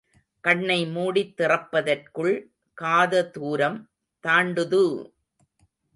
கண்ணை மூடித் திறப்பதற்குள் காத துாரம் தாண்டுது!